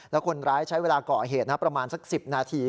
แล้วคนร้ายใช้เวลาก่อเหตุประมาณสัก๑๐นาที